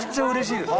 うれしい。